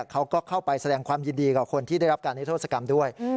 เขาก็เข้าไปแสดงความยินดีกับคนที่ได้รับการนิทธศกรรมด้วย